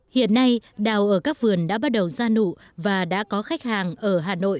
hiện nay đào ở các vườn đã bắt đầu ra nụ và đã có khách hàng ở hà nội